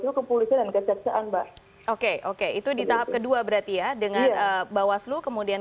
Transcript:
kemudian kepolisian dan kejaksaan oke oke itu di tahap kedua berarti ya dengan bawah seluruh kemudian